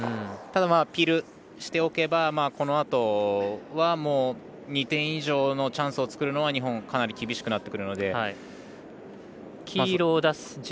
ただ、ピールしておけばこのあとはもう２点以上のチャンスを作るのは日本、かなり厳しくなってくるので。